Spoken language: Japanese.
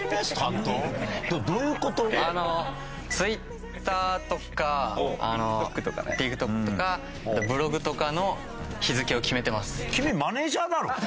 ＴｗｉｔｔｅｒとかＴｉｋＴｏｋとかブログとかの日付を決めてます。